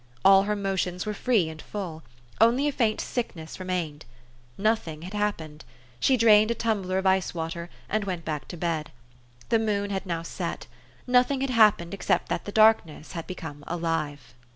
All her motions were free and full ; only a faint sickness remained. Nothing had hap pened. She drained a tumbler of ice water, and went back to bed. The moon had now set. Nothing had happened, except that the darkness had become alive.